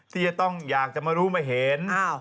ที่จะต้องอยากจะมารู้มาเห็น